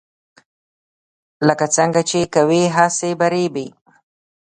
لکه څنګه چې کوې هغسې به ریبې.